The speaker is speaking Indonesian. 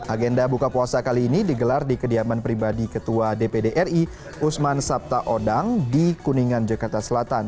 agenda buka puasa kali ini digelar di kediaman pribadi ketua dpdri usman sabtawudan di kuningan jakarta selatan